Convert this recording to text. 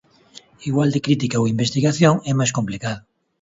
Igual de crítica ou investigación é máis complicado.